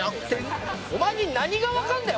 お前に何がわかるんだよ！